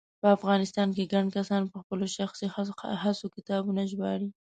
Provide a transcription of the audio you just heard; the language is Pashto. په افغانستان کې ګڼ کسان په خپلو شخصي هڅو کتابونه ژباړي